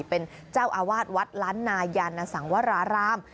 เป็นเจ้าอาวาสวัดล้านนายานสังวราราม